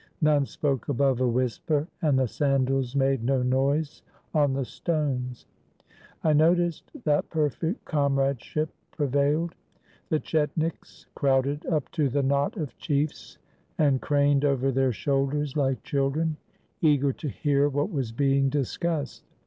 None spoke above a whisper, and the sandals made no noise on the stones. I noticed that perfect comradeship prevailed. The chetniks crowded up to the knot of chiefs and craned over their shoulders like children, eager to hear what was being discussed.